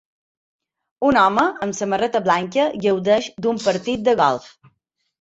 Un home en samarreta blanca gaudeix d'un partit de golf